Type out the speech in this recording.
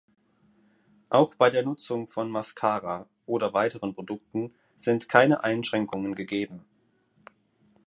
Auch bei der Nutzung von Mascara oder weiteren Produkten sind keine Einschränkungen gegeben.